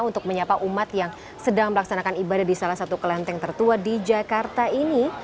untuk menyapa umat yang sedang melaksanakan ibadah di salah satu kelenteng tertua di jakarta ini